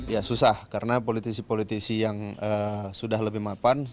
ya susah karena politisi politisi yang sudah lebih mapan